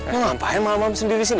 lo ngapain malam malam sendiri disini